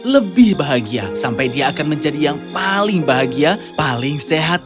lebih bahagia sampai dia akan menjadi yang paling bahagia paling sehat